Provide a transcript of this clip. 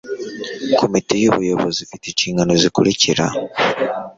Komite y Ubuyobozi ifite inshingano zikurikira